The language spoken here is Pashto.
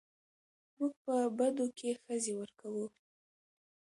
موږ په بدو کې ښځې ورکوو